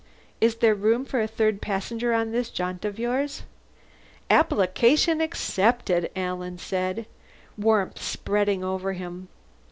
Is there room for a third passenger on this jaunt of yours?" "Application accepted," Alan said. Warmth spread over him.